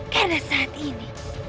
karena saat ini